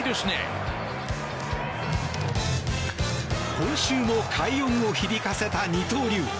今週も快音を響かせた二刀流。